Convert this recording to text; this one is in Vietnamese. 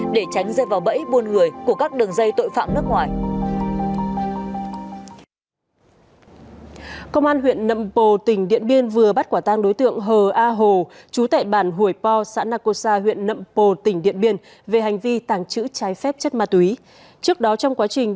để tránh rơi vào bẫy buôn người của các đường dây tội phạm nước ngoài